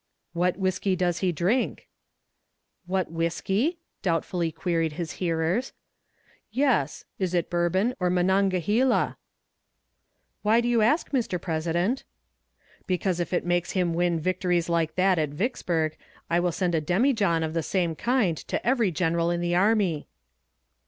"What whiskey does he drink?" "What whiskey?" doubtfully queried his hearers. "Yes. Is it Bourbon or Monongahela?" "Why do you ask, Mr. President?" "Because if it makes him win victories like that at Vicksburg, I will send a demijohn of the same kind to every general in the army."